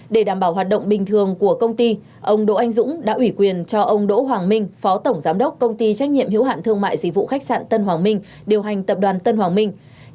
để đảm bảo hoạt động bình thường của công ty ông đỗ anh dũng đã ủy quyền cho ông đỗ hoàng minh phó tổng giám đốc công ty trách nhiệm hiếu hạn thương mại dịch vụ khách sạn tân hoàng minh điều hành tập đoàn tân hoàng minh